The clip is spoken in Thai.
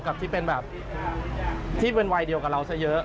กับที่เป็นแบบที่เป็นวัยเดียวกับเราซะเยอะ